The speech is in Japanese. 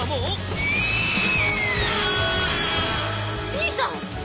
兄さん！